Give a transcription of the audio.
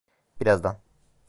Birazdan.